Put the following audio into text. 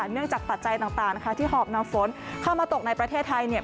เนื่องจากปัจจัยต่างนะคะที่หอบนำฝนเข้ามาตกในประเทศไทยเนี่ย